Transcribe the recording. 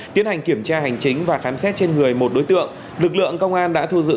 tiến hành kiểm tra hành chính và khám xét trên người một đối tượng lực lượng công an đã thu giữ